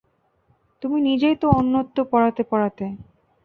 তুমি নিজেই তো অন্যত্র পড়াতে পড়াতে?